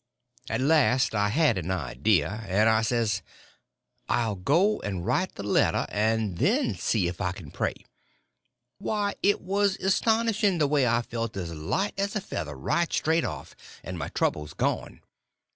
At last I had an idea; and I says, I'll go and write the letter—and then see if I can pray. Why, it was astonishing, the way I felt as light as a feather right straight off, and my troubles all gone.